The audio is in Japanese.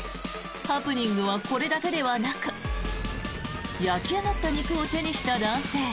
ハプニングはこれだけではなく焼き上がった肉を手にした男性。